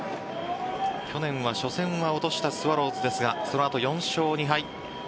去年は初戦は落としたスワローズですがそのあと４勝２敗。